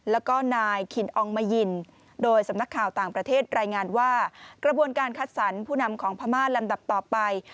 แล้วก็นายคินอองมะยินโดยสำนักข่าวต่างประเทศรายงานว่ากระบวนการคัดสรรผู้นำของพม่าลำดับต่อไป